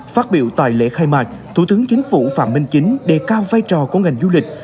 phát biểu tại lễ khai mạc thủ tướng chính phủ phạm minh chính đề cao vai trò của ngành du lịch